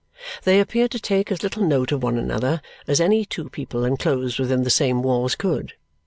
They appear to take as little note of one another as any two people enclosed within the same walls could.